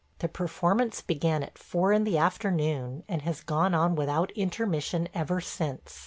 The performance began at four in the afternoon, and has gone on without intermission ever since.